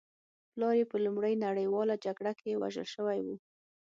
پلار یې په لومړۍ نړۍواله جګړه کې وژل شوی و